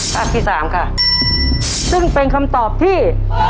ภาพที่สามค่ะซึ่งเป็นคำตอบที่